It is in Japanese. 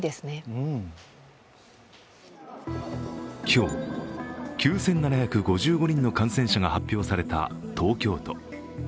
今日、９７５５人の感染者が発表された東京都。